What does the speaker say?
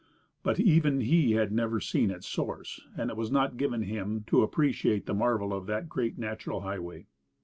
But even he had never seen its source, and it was not given him to appreciate the marvel of that great natural highway.